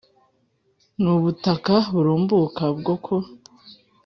N ubutaka burumbuka bwo ku